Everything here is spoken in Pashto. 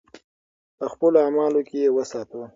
په خپلو اعمالو کې یې وساتو.